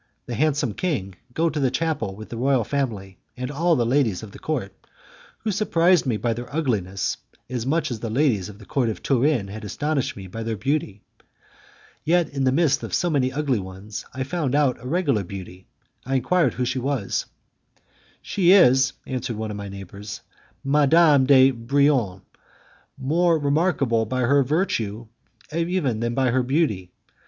the handsome king, go to the chapel with the royal family and all the ladies of the court, who surprised me by their ugliness as much as the ladies of the court of Turin had astonished me by their beauty. Yet in the midst of so many ugly ones I found out a regular beauty. I enquired who she was. "She is," answered one of my neighbours, "Madame de Brionne, more remarkable by her virtue even than by her beauty.